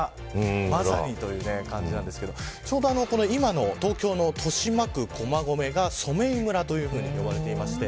まさにという感じなんですけどちょうど今の東京の豊島区駒込が染井村と呼ばれていまして